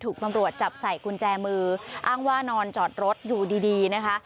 ถูกตำรวจจับใส่กุญแจมืออ้างว่านอนจอดรถอยู่ดีดีนะคะ